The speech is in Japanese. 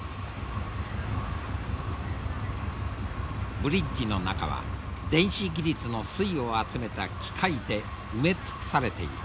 ブリッジの中は電子技術の粋を集めた機械で埋め尽くされている。